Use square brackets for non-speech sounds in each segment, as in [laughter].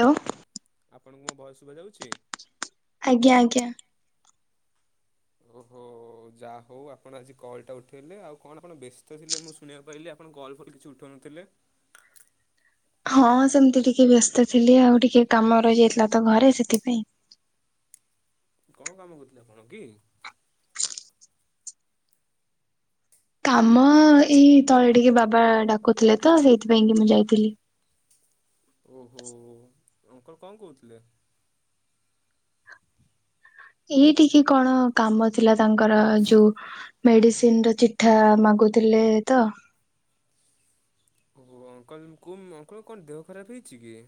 Hello ଆପଣଙ୍କୁ ମୋ voice ଶୁଭା ଯାଉଛି? ଆଜ୍ଞା ଆଜ୍ଞା। ଓହୋ। ଯାହା ହଉ ଆପଣ ଆଜି କଲଟା ଉଠେଇଲେ ଆଉ କଣ ଆପଣ ବ୍ୟସ୍ତ ଥିଲେ ମୁଁ ଶୁଣିବାକୁ ପାଇଲି, ଆପ ଆପଣ କଲ୍ ଫଲ କିଛି ଉଠଉ ନଥିଲେ? ହଁ ସେମତି ଟିକେ ବ୍ୟସ୍ତ ଥିଲି ଆଉ, ଟିକେ କାମ ରହି ଯାଇଥିଲା ତ ଘରେ, ସେଥିପାଇଁ। କଣ କାମ କରୁଥିଲେ ଆପଣ କି? କାମ, ଏଇ ତଳେ ଟିକେ ବାବା ଡାକୁଥିଲେ ତ ସେଇଥିପାଇଁ କି ମୁଁ ଯାଇଥିଲି। ଓହୋ। ଅଙ୍କଲ କଣ କହୁଥିଲେ? [inaudible] ଏଇ ଟିକେ କଣ କାମ ଥିଲା ତାଙ୍କର ଯୋଉ ମେଡିସିନର ଚିଠା ମାଗୁଥିଲେ ତ ଓହୋ ଅଙ୍କଲ କୁ ଅଙ୍କଲ କଣ ଦେହ ଖରାପ ହେଇଛି କ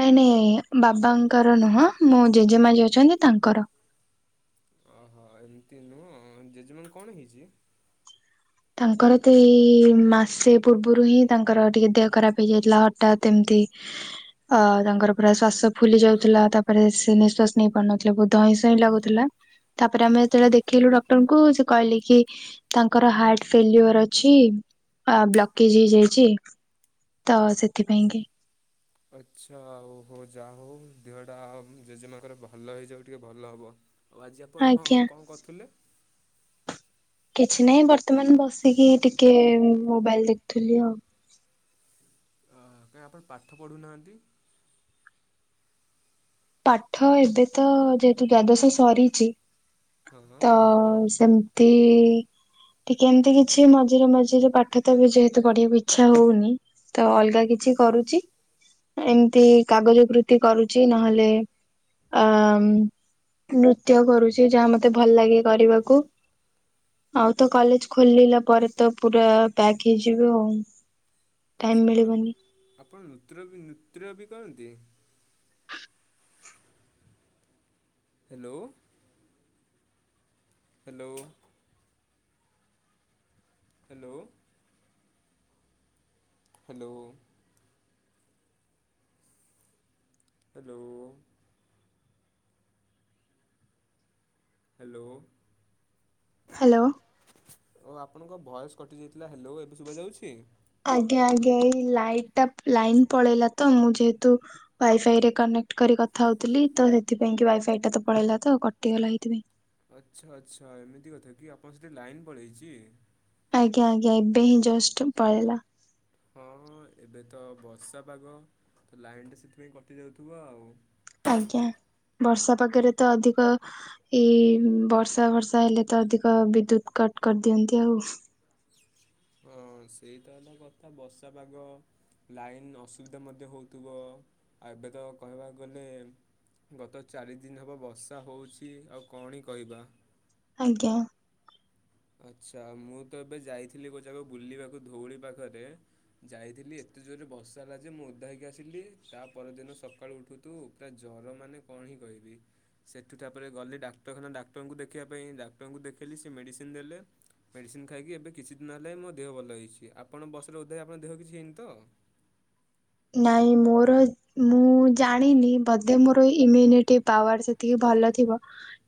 ନାଇଁ ନାଇଁ ବାବାଙ୍କର ନୁହଁ ମୋ ଜେଜେମା ଯିଏ ଅଛନ୍ତି ତାଙ୍କର- ଓହୋ ଏମିତି ନୁହଁ ଜେଜେମାଙ୍କ କଣ ହେଇଛି? ତାଙ୍କର ତ ଏଇ ମାସେ ପୂର୍ବରୁ ହିଁ ତାଙ୍କର ଟିକେ ଦେହ ଖରାପ ହେଇଯାଇଥିଲା ହଠାତ୍ ଏମିତି- ଅ ତାଙ୍କର ପୁରା ଶ୍ୱାସ ଫୁଲି ଯାଉଥିଲା ତାପରେ ସେ ନିଃଶ୍ଵାସ ନେଇ ପାରୁନଥିଲେ ବହୁତ- ଧଇଁ ସଇଁ ଲାଗୁଥିଲା। ତାପରେ ଆମେ ହଁ ଯେତେବଳେ ଦେଖେଇଲୁ ଡକ୍ଟରଙ୍କୁ ସେ କହିଲେ କି ତାଙ୍କର ହାର୍ଟ ଫେଲୁୟର୍ ଅଛି ଆ ବ୍ଲକେଜ୍ ହେଇଯାଇଛି। ତ ସେଥିପାଇଁ କି। ଆଚ୍ଛା ଆଉ ହଉ ଯା ହଉ, ଦେହଟା ଜେଜେମାଙ୍କର ଭଲ ହେଇଯାଉ ଟିକେ ଭଲ ହବ। ଓ ଆଜି ଆପଣ କଂ ଆଜ୍ଞା କଣ କରୁଥିଲେ? କିଛି ନାହିଁ ବର୍ତ୍ତମାନ ବସିକି ଟିକେ ମୋବାଇଲ ଦେଖୁଥିଲି ଆଉ। ହଁ କାହିଁ ଆପଣ ପାଠ ପଢ଼ୁନାହାନ୍ତି? ପାଠ, ଏବେ ତ ଯେହେତୁ ଦ୍ଵାଦଶ ସରିଛି। ତ ହଁ ସେମ [inaudible] ଟିକେ ଏମିତି କିଛି ମଝିରେ ମଝିରେ ପାଠ ତ ଏବେ ଯେହେତୁ ପଢିବାକୁ ଇଚ୍ଛା ହଉନି- ତ ଅଲଗା କିଛି କରୁଛି ଏମିତି କାଗଜ କୃତି କରୁଛି ନହେଲେ ଲେ ଆମ୍ ନୃତ୍ୟ କରୁଛି ଯାହା ମତେ ଭଲ ଲାଗେ କରିବାକୁ- ଆଉ ତ କଲେଜ ଖୋଲିଲା ପରେ ତ ପୁରା ପ୍ୟାକ୍ ହେଇଯିବ ଆଉ ଟାଇମ ଆଚ୍ଛା ଆପଣ ନୁ ମିଳିବନି। ଆପଣ ନୁତ୍ର୍ୟ ବି ନୁତ୍ର୍ୟ ବି କରନ୍ତି? Hello. Hello. Hello. Hello. Hello. Hello. Hello ଓ ଆପଣଙ୍କ ଭଏସ୍ କଟିଯାଇଥିଲା, ହାଲୋ ଏବେ ଶୁଭାଯାଉଛି? ଆଜ୍ଞା ଆଜ୍ଞା ଏଇ ଲାଇଟା ଲାଇନ୍ ପଳେଇଲା ତ, ମୁଁ ଯେହେତୁ ୱାଇଫାଇ ରେ କନେକ୍ଟ କରି କଥା ହଉଥିଲି, ତ ସେଥିପାଇଁ କି ୱାଇଫାଇ ଟା ତ ପଳେଇଲା ତ କଟିଗଲା ହେଇଥିପାଇଁ। ଆଛା ଆଛା ଏମିତି କଥା କି, ଆପଣ ସେଠି ଲାଇନ୍ ପଳେଇଛି? ଆଜ୍ଞା ଆଜ୍ଞା ଏବେ ହିଁ ଜଷ୍ଟ ପଳେଇଲା। ହଁ ହଁ ଏବେ ତ ବର୍ଷା ପାଗ, ତ ଲାଇନଟା ସେଥିପାଇଁ କଟି ଯାଉଥିବ ଆଉ। ଆଜ୍ଞା, ବର୍ଷା ପାଗରେ ତ ଅଧିକ। ଏଇ ବର୍ଷା ଫର୍ଷା ହେଲେ ତ ଅଧିକ ବିଦ୍ୟୁତ୍ କଟ୍ କରିଦିଅନ୍ତି ଆଉ। ହଁ ସେଇତ ହେଲା କଥା ବର୍ଷା ପାଗ। ଲାଇନ୍ ଅସୁବିଧା ମଧ୍ୟ ହଉଥିବ। ଆଉ ଏବେ ତ କହିବାକୁ ଗଲେ। ଗତ ଚାରିଦିନ ହେବ ବର୍ଷା ହଉଛି। ଆଉ କଣି କହିବା। ଆଜ୍ଞା। ଆଚ୍ଛା ମୁଁ ତ ଏବେ ଯାଇଥିଲି ଗୋଟେ ଯାଗାକୁ ବୁଲିବାକୁ ଧଉଳି ପାଖରେ ଯାଇଥିଲି ଏତେ ଜୋରରେ ବର୍ଷା ହେଲା ଯେ, ମୁଁ ଓଦା ହୋଇକି ଆସିଲି। ତା ପରଦିନ ସକାଳୁ ଉଠୁଥୁ ତା ଜର ମାନେ କଣ ହିଁ କହିବି? ସେଠୁ ତାପରେ ଗଲି ଡାକ୍ତରଖାନା ଡାକ୍ତରଙ୍କୁ ଦେଖିବା ପାଇଁ ଡାକ୍ଟରଙ୍କୁ ଦେଖେଇଲି ସେ ମେଡ଼ିସିନ ଦେଲେ। ମେଡ଼ିସିନ୍ ଖାଇକି ଏବେ କିଛି ଦିନ ହେଲା ମୋ ଦେହ ଭଲ ହେଇଛି ଆପଣ ବସି ରହୁଥିବେ ଆପଣ ଦେହ କିଛି ହେଇନିତ? ନାଇଁ ମୋର। ମୁଁ ଜାଣିନି ବଧେ ମୋର ଇମିନିଟି ପାୱାର୍ ସେତିକି ଭଲ ଥିବ।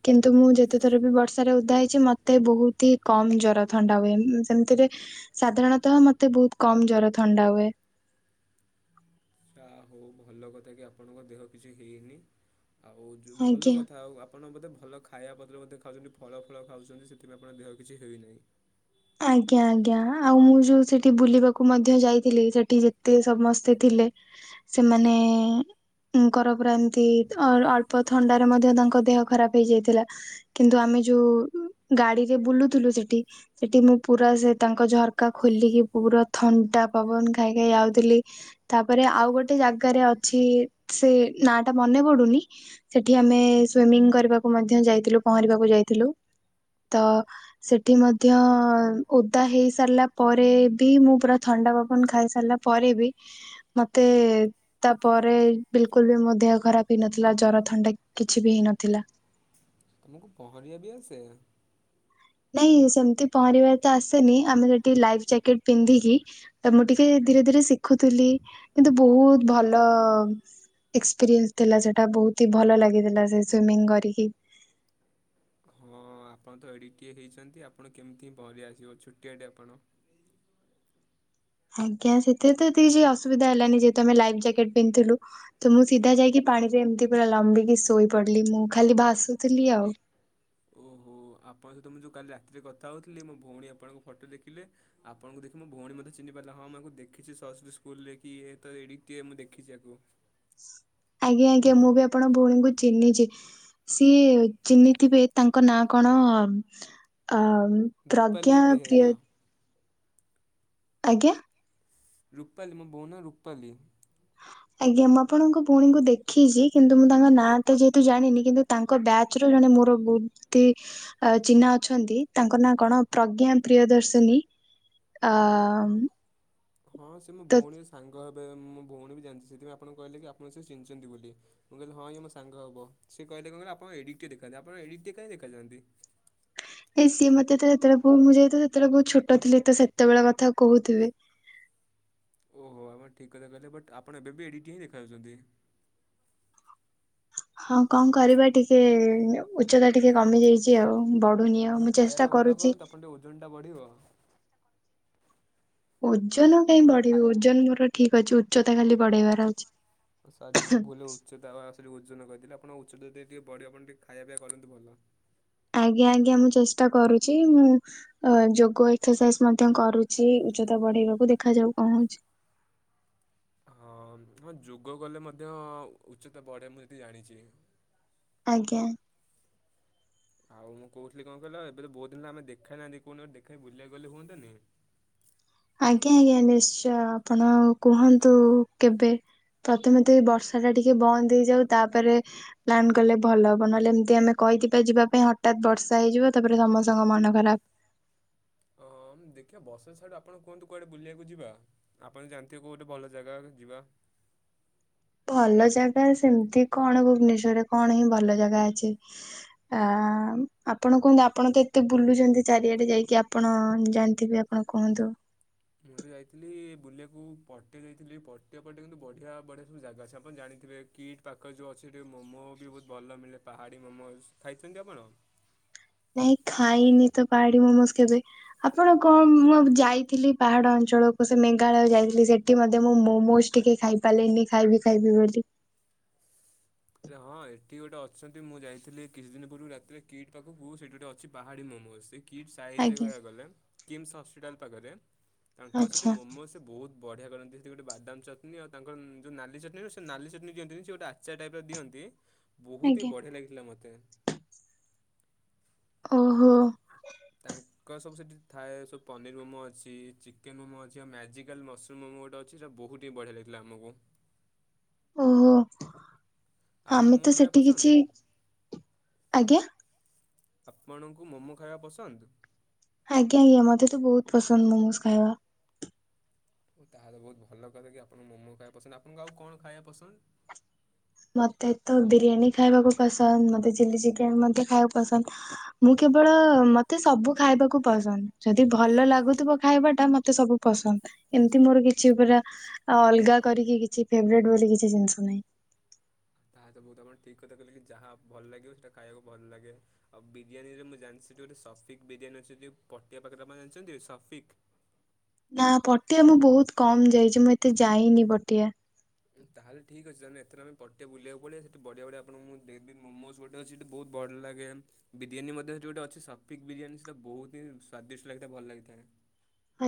କିନ୍ତୁ ମୁଁ ଯେତେଥର ବି ବର୍ଷାରେ ଓଦା ହେଇଛି ମତେ ବହୁତ ହି କମ ଜର ଥଣ୍ଡା ହୁଏ। ସେମିତିରେ। ସାଧାରଣତଃ ମତେ ବହୁତ କମ ଜର ଥଣ୍ଡା ହୁଏ। ଯା ହଉ ଭଲ କଥା କି, ଆପଣଙ୍କ ଦେହ କିଛି ହେଇନି। ଆଉ ଯୋଉ ଭଲ ଆଜ୍ଞା। କଥା। ଆଉ ଆପ ଆପଣ ବୋଧେ ଭଲ ଖାଇବା ପତ୍ର ବୋଧେ ଖାଉଚନ୍ତି ଫଳ ଫଳ ଖାଉଚନ୍ତି। ସେଥିପାଇଁ ଆପଣଙ୍କ ଦେହ କିଛି ହୋଇ ନାହିଁ? ଆଜ୍ଞା ଆଜ୍ଞା ଆଉ ମୁଁ ଯୋଉ ସେଠି ବୁଲିବାକୁ ମଧ୍ୟ ଯାଇଥିଲି ସେଠି ଯେତେ ସମସ୍ତେ ଥିଲେ ସେମାନେ ଙ୍କର ପୁରା ଏମତି ଅ-ଅଳ୍ପ ଥଣ୍ଡାରେ ମଧ୍ୟ ତାଙ୍କ ଦେହ ଖରାପ ହେଇଯାଇଥିଲା। କିନ୍ତୁ ଆମେ ଯୋଉ ଗାଡିରେ ବୁଲୁଥିଲୁ ସେଠି ସେଠି ମୁଁ ପୁରା ସେ ତାଙ୍କ ଝରକା ଖୋଲିକି ପୁରା ଥଣ୍ଡା ପବନ ଖାଇ ଖାଇ ଆଉଥିଲି। ତାପରେ ଆଉ ଗୋଟେ ଜାଗାରେ ଅଛି ସେ ନାଁ ଟା ମନେ ପଡୁନି। ସେଠି ଆମେ ସୁଇମିଙ୍ଗ କରିବାକୁ ମଧ୍ୟ ଯାଇଥିଲୁ ପହଁରିବାକୁ ଯାଇଥିଲୁ। ତ ସେଠି ମଧ୍ୟ ମଧ୍ୟ ଓଦା ହେଇ ସାରିଲା ପରେ ବି ମୁଁ ପୁରା ଥଣ୍ଡା ପବନ ଖାଇ ସାରିଲା ପରେ ବି ମତେ ତା ପରେ ବିଲକୁଲ ବି ମୋ ଦେହ ଖରାପ ହେଇନଥିଲା। ଜର ଥଣ୍ଡା କିଛି ବି ହେଇନଥିଲା। ତମକୁ ପହଁରିବା ବି ଆସେ? ନାଇଁ ସେମିତି ପହଁରିବା ତ ଆସେନି। ଆମେ ସେଠି ଲାଇଫ୍ ଜ୍ୟାକେଟ୍ ପିନ୍ଧିକି ତ ମୁଁ ଟିକେ ଧୀରେ ଧୀରେ ଶିଖୁଥିଲି। କିନ୍ତୁ ବହୁତ ଭଲ ଏକ୍ସପିରିଏନ୍ସ ଥିଲା ସେଟା ବହୁତ ହି ଭଲ ଲାଗିଥିଲା ସେ ସୁଇମିଙ୍ଗ କରିକି। ହଁ। ହଁ ଆପଣ ତ ଏଡ଼ିକିଟିଏ ହେଇଚନ୍ତି ଆପଣ କେମିତିି ପହଁରି ଆସିବ ଛୋଟିଆଟେ ଆପଣ। ଆଜ୍ଞା, ସେଥିରେ ତ ଏତେ କିଛି ଅସୁବିଧା ହେଲାନି ଯେହେତୁ ଆମେ ଲାଇଫ୍ ଯ୍ୟାକେଟ୍ ପିନ୍ଧିଥିଲୁ। ତ ମୁଁ ସିଧା ଜାଇକି ପାଣିରେ ଏମିତି ପୁରା ଲମ୍ବିକି ଶୋଇ ପଡିଲି। ମୁଁ ଖାଲି ଭାସୁଥିଲି ଆଉ। ଓ ଆପଣଙ୍କ ସହିତ ମୁଁ ଯୋଉ କାଲି ରାତିରେ କଥା ହଉଥିଲି ମୋ ଭଉଣୀ ଆପଣଙ୍କ ଫଟୋ ଦେଖିଲେ। ଆପଣଙ୍କୁ ଦେଖି ମୋ ଭଉଣୀ ମଧ୍ୟ ଚିହ୍ନି ପାରିଲା। ହଁ ମୁଁ ଆଙ୍କୁ ଦେଖିଚି ସରସ୍ୱତୀ ସ୍କୁଲରେ କି ଇଏ ତ ଏଡିକିଟିଏ ମୁଁ ଦେଖିଚି ୟାକୁ। ଆଜ୍ଞା ଆଜ୍ଞା, ମୁଁ ବି ଆପଣଙ୍କ ଭଉଣୀଙ୍କୁ ଚିହ୍ନିଚି। ସିଏ ଚିହ୍ନିଥିବେ ତାଙ୍କ ନାଁ କଣ ଆ ରୂପାଲି ପ୍ରଜ୍ଞା ବେହେରା ପ୍ରିୟ ଆଜ୍ଞା। ରୂପାଲି ମୋ ବଉ ନାଁ ରୁପାଲି। ଆଜ୍ଞା ମୁଁ ଆପଣଙ୍କ ଭଉଣୀଙ୍କୁ ଦେଖିଚି କିନ୍ତୁ ମୁଁ ତାଙ୍କ ନାଁ ତ ଯେହେତୁ ଜାଣିନି। କିନ୍ତୁ ତାଙ୍କ ବ୍ୟାଚ ରୁ ଜଣେ ମୋର ଗୁଡ ଦି ଆ ଚିହ୍ନା ଅଛନ୍ତି ତାଙ୍କ ନାଁ କଣ ପ୍ରଜ୍ଞା ପ୍ରିୟଦର୍ଶିନୀ। ଅ ହଁ ହଁ ସେ ମୋ ତ ଭଉଣୀ ଅସ୍ ସାଙ୍ଗ ହେବେ ମୋ ଭଉଣୀ ବି ଜାଣିଚି। ସେଥିପାଇଁ ଆପଣଙ୍କୁ କହିଲେ କି ଆପଣଙ୍କୁ ସିଏ ଚିହ୍ନିଚନ୍ତି ବୋଲି। ମୁଁ କହିଲି ହଁ ଇଏ ମୋ ସାଙ୍ଗ ହବ। ସେ କହିଲେ କଣ କହିଲ ଆପଣ ଏଡିଟିକେ ଦେଖାଯାନ୍ତି। ଆପଣ ଏଡିଟିକେ କାଇଁ ଦେଖାଯାଆନ୍ତି? ଏଇ ସିଏ ମତେ ଥରେ ଯେତେବେଳେ [unintelligible] ମୁଁ ଯାଇଥିବ ସେତେବେଳେ ବହୁତ ଛୋଟ ଥିଲି। ତ ସେତେବେଳେ କଥା କହୁଥିବେ। ଓହୋ ଆପଣ ଠିକ୍ କଥା କହିଲେ ବଟ୍ ଆପଣ ଏବେ ବି ଏଡ଼ିକଟିଏ ହିଁ ଦେଖାଯାଉଚନ୍ତି। ହଁ କଣ କରିବା ଟିକେ ଉଚ୍ଚତା ଟିକେ କମି ଯାଇଚି ଆଉ। ବଢୁନି ଆଉ ମୁଁ ଚେଷ୍ଟା କରୁଚି। ଓଜନ ଟା ବଢ଼ିବ। ଓଜନ କାଇଁ ଆପଣ ଖାଇ ବଢେଇିବି ଓଜନ ମୋର ଠିକ ଅଛି। ଉଚ୍ଚତା ଖାଲି ବଢେଇବାର ଅଛି। ସରି ମୁଁ ଭୁଲ ରେ ଉଚ୍ଚତା ଆ ଆ ସରି ଓଜନ କହିଦେଲି ଆପଣ ଉଚ୍ଚତା ଟି-ଟିକେ ବଢିବ। ଆପଣ ଟିକେ ଖାଇବା ପିଇବା କରନ୍ତୁ ଭଲ। ଆଜ୍ଞା ଆଜ୍ଞା ମୁଁ ଚେଷ୍ଟା କରୁଚି। ମୁଁ ଅ ଯୋଗ ଏକ୍ସରସାଇଜ ମଧ୍ୟ କରୁଚି ଉଚ୍ଚତା ବଢେଇବାକୁ। ଦେଖାଯାଉ କଣ କହୁଚି? ହଁ ହଁ ଯୋଗ କଲେ ମଧ୍ୟ ଉଚ୍ଚତା ବଢ଼େ ମୁଁ ଯେତିକି ଜାଣିଚି। ଆଜ୍ଞା। ଆଉ ମୁଁ କହୁଥିଲି କଣ କହିଲ ଏବେ ତ ବହୁଦିନ ହେଲା ଆମେ ଦେଖା ହେଇ ନାହାଁନ୍ତି। କୋଉ ନ ଗୋଟେ ଦେଖାହେଇ ବୁଲିବାକୁ ଗଲେ ହୁଅନ୍ତାନି? ଆଜ୍ଞା ଆଜ୍ଞା ନିଶ୍ଚୟ ଆପଣ କୁହନ୍ତୁ କେବେ? ପ୍ରଥମେ ତ ବର୍ଷା ଟା ଟିକେ ବନ୍ଦ ହେଇଯାଉ ତା ପରେ ପ୍ଲାନ୍ କଲେ ଭଲ ହବ ନହେଲେ ଏମିତି ଆମେ କହିଥିବା ଯିବା ପାଇଁ ହଠାତ୍ ବର୍ଷା ହେଇଯିବ ତା ପରେ ସମସ୍ତଙ୍କ ମନ ଖରାପ। ଓହଁ ଦେଖିବା ବର୍ଷା ଛାଡୁ ଆପଣ କୁହନ୍ତୁ କୁଆଡେ ବୁଲିବାକୁ ଯିବା? ଆପଣ ଜାଣିଥିବେ କୋଉ ଗୋଟେ ଭଲ ଜାଗା ଯିବା। ଭଲ ଜାଗା ସେମିତି କଣ ଭୁବନେଶ୍ଵରରେ କଣ ହିଁ ଭଲ ଜାଗା ଅଛି? ଆ ଆପଣ କୁହନ୍ତୁ ଆପଣ ତ ଏତେ ବୁଲୁଛନ୍ତି ଚାରିଆଡେ ଯାଇକି ଆପଣ ଜାଣିଥିବେ ଆପଣ କୁହନ୍ତୁ? ମୁଁ ତ ଯାଇଥିଲି ବୁଲିବାକୁ ପଟିଆ ଯାଇଥିଲି ପଟିଆ ପଟେ କିନ୍ତୁ ବଢ଼ିଆ ବଢ଼ିଆ ସବୁ ଜାଗା ଅଛି ଆପଣ ଜାଣିଥିବେ? କିଟ୍ ପାଖ ଯୋଉ ଅଛି ମୋମୋ ବି ବହୁତ ଭଲ ମିଳେ ପାହାଡ଼ି ମୋମୋସ ଖାଇଛନ୍ତି ଆପଣ? ନାଇଁ ଖାଇନି ତ ପାହାଡି ମୋମୋଜ କେବେ? ଆପଣ କଣ ମୁଁ ଯାଇଥିଲି ପାହାଡ ଅଞ୍ଚଳକୁ ସେ ମେଘାଳୟ ଯାଇଥିଲି ସେଠ ସେଇଟି ମଧ୍ୟ ମୁଁ ମୋମୋଜ ଟିକେ ଖାଇ ପାରିଲିନି ଖାଇବି ଖାଇବି ବୋଲି ଆରେ ହଁ ଏଠି ଗୋଟେ ଅଛନ୍ତି ମୁଁ ଯାଇଥିଲି କିଛି ଦିନ ପୂର୍ବରୁ ରାତିରେ କିଟ୍ ପାଖକୁ ସେଇଠି ଗୋଟେ ଅଛି ପାହାଡ଼ି ମୋମୋସିକ। କିଟ୍ ସାହିଜରେ ଆଜ୍ଞା କହିବାକୁ ଗଲେ କିମ୍ସ୍ ହସ୍ପିଟାଲ ପାଖରେ ତାଙ୍କ ସେଇଠି ଆଚ୍ଛା। ମୋମୋସ୍ ସେ ବହୁତ ବଢିଆ କରନ୍ତି ସେ ଗୋଟେ ବାଦାମ ଚଟଣି ଆଉ ତାଙ୍କର ଯୋଉ ନାଲି ଚଟଣି ସେ ନାଲି ଚଟଣି ଦିଅନ୍ତିନି ସେ ଗୋଟେ ଆଚାର ଟାଇପର ଦିଅନ୍ତି ବହୁତି ହି ଆଜ୍ଞା। ବଢିଆ ଲାଗିଥିଲା ମତେ। ଓହୋ। ତାଙ୍କର ସବୁ ସେଠି ଥାଏ ସବୁ ପନିର ମୋମୋ ଅଛି ଚିକେନ ମୋମୋ ଅଛି ମ୍ୟାଜିକାଲ୍ ମସଲ ମୋମୋ ଗୋଟେ ଅଛି ସେଇଟା ବହୁତହି ବଢିଆ ଲାଗଥିଲା ଆମକୁ। ଓହୋ ଆପଣଙ୍କୁ ଆମେ ତ ମୋମୋ ଖାଇବା ସେଠି ପସନ୍ଦ କିଛି ଆଜ୍ଞା। ଆପଣଙ୍କୁ ମୋମୋ ଖାଇବା ପସନ୍ଦ। ଆଜ୍ଞା ଆଜ୍ଞା ମତେ ତ ବହୁତ ପସନ୍ଦ ମୋମୋସ ଖାଇବା। ଓ ତାହା ତ ବହୁତ ଭଲ କଥା କି ଆପଣଙ୍କୁ ମୋମୋ ଖାଇବା ପସନ୍ଦ ଆପଣଙ୍କୁ ଆଉ କଣ ଖାଇବା ପସନ୍ଦ? ମତେ ତ ବିରିୟାନୀ ଖାଇବାକୁ ପସନ୍ଦ ମୋତେ ଚିଲ୍ ଚିକେନ ମଧ୍ୟ ଖାଇବାକୁ ପସନ୍ଦ ଆ ମୁଁ କେବଳ ମତେ ସବୁ ଖାଇବାକୁ ପସନ୍ଦ ଯଦି ଭଲ ଲାଗୁଥିବ ଖାଇବା ଟା ମତେ ସବୁ ପସନ୍ଦ ଏମତି ମୋର କିଛି ପୁରା ଅଲଗା କରିକି କିଛି ଫେବ୍ରେଟେ ବୋଲି କିଛି ଜିନିଷ ନାହିଁ। ତାହା ତ ବହୁତ କଣ ଠିକ୍ କଥା କହିଲି ଯାହା ଭଲ ଲାଗିବ ସେଇଟା ଖାଇବାକୁ ଭଲ ଲାଗେ। ଆଉ ବିରିୟାନୀରେ ମୁଁ ଜାଣିଛି ସେଠି ଗୋଟେ ସଫିକ୍ ବିରିୟାନୀ ଅଛି ଯେ ପଟିଆ ପାଖରେ ଜାଛନ୍ତି ସଫିକ୍? ନା ପଟିଆ ମୁଁ ବହୁତ କମ ଯାଇଛି ମୁଁ ଏତେ ଯାଇନି ପଟିଆ। ତାହେଲେ ଠିକ ଅଛି ତାହେଲେ ଏଥରେ ପଟିଆ ବୁଲିବାକୁ ପାଲେଇବା ସେଠି ବଢିଆ ବଢିଆ ଆପଣଙ୍କୁ ମୁଁ ଦେବି ମୋମୋସ ଗୋ ମୋତେ ସେଥି ବହୁତ୍ ଭଲ ଲାଗେ। ବିରିୟାନୀ ମଧ୍ୟ ସେଇଠି ଅଛି ସଫିକ ବିରିୟାନୀ ସେଇଟା ବହୁତ ହି ସ୍ଵାଦିଷ୍ଟ ଲାଗିଥାଏ ଭଲ ଲାଗିଥାଏ।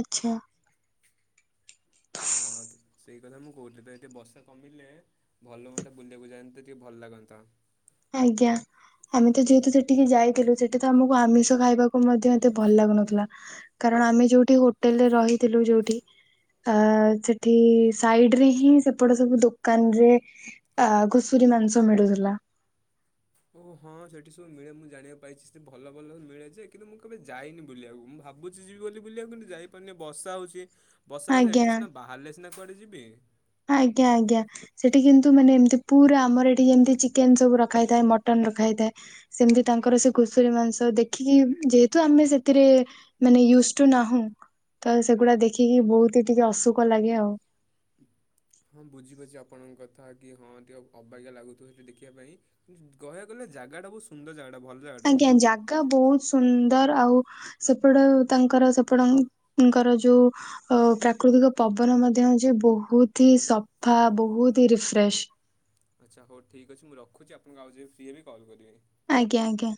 ଆଛା। ହଁ ତ ସେଇ କଥା ମୁଁ କହୁଥିଲି ତ ଏଠି ବର୍ଷା କମିଲେ ଭଲ ହୁଅନ୍ତା ବୁଲିବାକୁ ଯାଆନ୍ତେ ଟିକେ ଭଲ ଲାଗନ୍ତା। ଆଜ୍ଞା ଆମେ ତ ଯେହେତୁ ସେଠିକି ଯାଇଥିଲୁ ସେଠି ତ ଆମକୁ ମୁଁ ଆମିଷ ଖାଇବାକୁ ମଧ୍ୟ ଏତେ ଭଲ ଲାଗୁନଥିଲା କାରଣ ଆମେ ଯୋଉଠି ହୋଟେଲରେ ରହିଥିଲୁ ଯୋଉଠି ଆ ସେଠି ସାଇଡ ରେ ହିଁ ସେପଟ ସବୁ ଦୋକାନରେ ଆ ଘୁଷୁରୀ ମାଂସ ମିଳୁଥିଲା। ଓହ ହଁ ସେଠି ସବୁ ମିଳେ ମୁଁ ଜାଣିବାକୁ ପାଇଛି ସେ ଭଲ ଭଲ ମିଳେ ଯେ କିନ୍ତୁ ମୁଁ କେବେ ଯାଇନି ବୁଲିବାକୁ ମୁଁ ଭାବୁ ଭାବୁଛି ଯିବି ବୋଲି ବୁଲିବାକୁ କିନ୍ତୁ ଯାଇପାରୁନି ବସା ହେଉଛି ବସା କ ଏଠି ଆଜ୍ଞା ସିନା ବାହାରିଲେ ସିନା କୁଆଡ଼େ ଯିବି? ଆଜ୍ଞା ଆଜ୍ଞା। ସେଠି କିନ୍ତୁ ମାନେ ଏମିତି ପୁରା ଆମର ଏଠି ଯେମିତି ଚିକେନ ସବୁ ରଖା ଯାଇ ଥାଏ ମଟନ ରଖା ଥାଏ ସେମିତି ତାଙ୍କର ସେ ଘୁଷୁରୀ ମାଂସ ଦେଖିକି ଯେହେତୁ ଆମେ ସେଥିରେ ମାନେ ୟୁଜ ଟୁ ନାହୁଁ ତ ସେଗୁଡା ଦେଖିକି ବହୁତ ଟିକେ ଅଶୁକ ଲାଗେ ଆଉ। ହଁ ବୁଝିପାରୁଛି ଆପଣଙ୍କ କଥା କି ହଁ ଟିକେ ଅବାଗିଆ ଲାଗୁଥିବ ସେଇଠି ଦେଖିବା ପାଇଁ। କିନ୍ତୁ କହିବାଜୁ ଗଲେ ଜାଗାଟା ବହୁତ ସୁନ୍ଦର ଜାଗାଟା ଭଲ ଜାଗାଟା ବୁଲିବାକୁ। ତା ବହୁତ ସୁନ୍ଦର ଆଉ ସେପଟେ ତାଙ୍କର ସେପଟଙ୍କର ଯୋଉ ଅ ପ୍ରାକୃତିକ ପବନ ମଧ୍ୟ ହଉଛି ବହୁତ ହି ସଫା ବହୁତ ହି ରିଫ୍ରେଶ। ଆଚ୍ଛା ହଉ ଠିକ୍ ଅଛି ମୁଁ ରଖୁଛି ଆପଣଙ୍କୁ ଆଉ ଯେବେ ଫ୍ରି ହେବି କଲ୍ କରିବି। ଆଜ୍ଞା ଆଜ୍ଞା।